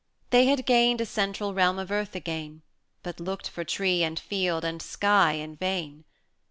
They had gained a central realm of earth again, But looked for tree, and field, and sky, in vain.